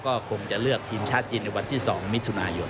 ก็คงจะเลือกทีมชาติจีนในวันที่๒มิถุนายน